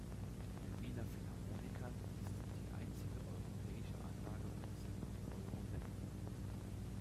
Der Wiener Philharmoniker ist die einzige europäische Anlagemünze mit Euro-Nennwert.